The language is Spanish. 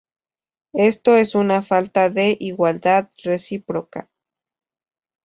Esto es una falta de "igualdad recíproca".